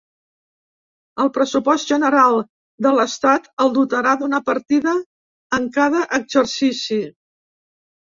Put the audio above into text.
El pressupost general de l’estat el dotarà d’una partida en cada exercici.